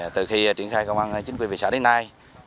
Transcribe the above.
từ khi triển khai công an chính quy về xã đến nay